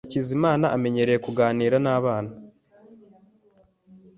Hakizimana amenyereye kuganira nabana.